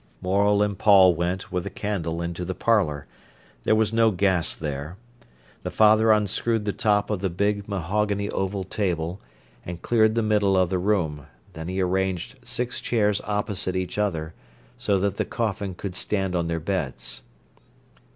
Morel and Paul went, with a candle, into the parlour. There was no gas there. The father unscrewed the top of the big mahogany oval table, and cleared the middle of the room; then he arranged six chairs opposite each other, so that the coffin could stand on their beds.